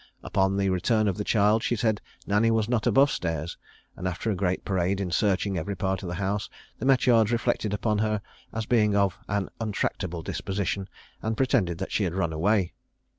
Upon the return of the child, she said Nanny was not above stairs; and after a great parade in searching every part of the house, the Metyards reflected upon her as being of an untractable disposition, and pretended that she had run away.